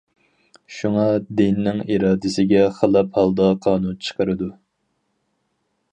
شۇڭا دىننىڭ ئىرادىسىگە خىلاپ ھالدا قانۇن چىقىرىدۇ.